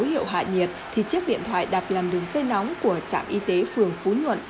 hiệu hạ nhiệt thì chiếc điện thoại đặt làm đường dây nóng của trạm y tế phường phú nhuận